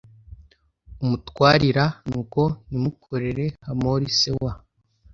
umutwarira nuko nimukorere hamori se wa